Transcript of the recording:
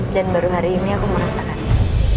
dan baru hari ini aku merasakannya